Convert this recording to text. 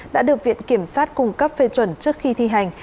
đã được viện kiểm sát cung cấp phê chuẩn trước khi thi hành